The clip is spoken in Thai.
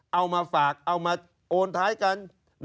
เอามาฝากเอามาโอนท้ายกัน